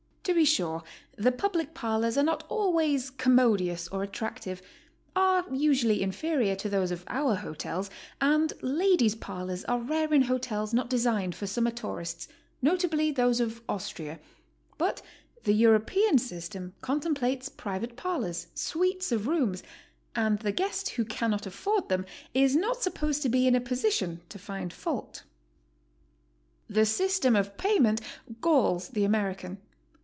To be sure, the public parlors are not always commodious or attractive, are usually inferior to those of our hotels, and ladies' parlors are rare in hotels not designed for summer tourists, notably those of Austria, but the European system contempbtes private parlors, suites of rooms, and the guest who cannot afford them is not supposed to be in a position to find fault. The system of payment galls the American.